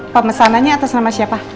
pemesanannya atas nama siapa